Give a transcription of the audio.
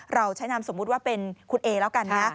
เราใช้นามสมมุติว่าเป็นคุณเอแล้วกันนะ